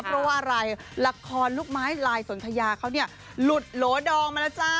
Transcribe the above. เพราะว่าอะไรละครลูกไม้ลายสนทยาเขาเนี่ยหลุดโหลดองมาแล้วจ้า